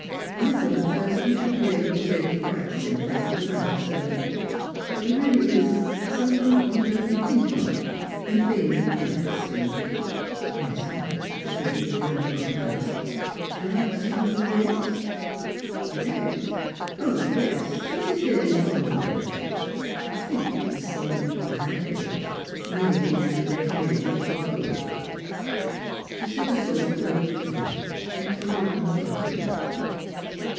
I thought at first we should be able to live quite simply, without a servant. But there is really so much one does not think of; and being unaccustomed "" Yes'm," said Milly, with down dropped eyes. Shall I scramble the eggs? "" The eggs — oh, yes. Mrs. Hill is fond of omelet. I think there are some in a bag, or " Milly began breaking eggs into a bowl. She set a saucepan over the fire and put a lump of butter in it.